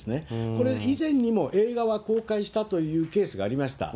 これ、以前にも映画は公開したというケースがありました。